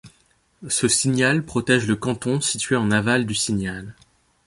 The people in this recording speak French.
Ce signal protège le canton situé en aval du signal.